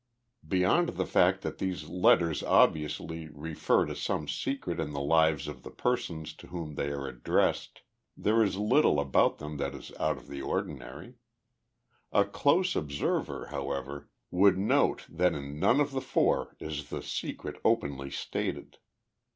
Beyond the fact that these letters obviously refer to some secret in the lives of the persons to whom they are addressed, there is little about them that is out of the ordinary. A close observer, however, would note that in none of the four is the secret openly stated.